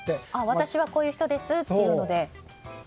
私は、こういう人ですっていうので。